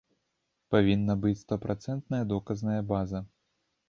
Павінна быць стапрацэнтная доказная база.